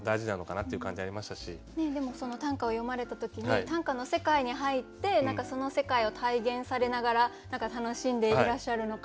でも短歌を読まれた時に短歌の世界に入ってその世界を体現されながら楽しんでいらっしゃるのかななんて思って。